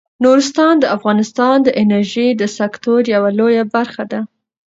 نورستان د افغانستان د انرژۍ د سکتور یوه لویه برخه ده.